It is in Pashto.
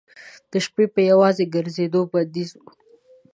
د شپې په یوازې ګرځېدو بندیز و.